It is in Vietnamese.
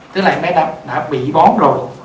tức là em bé đã bị bón rồi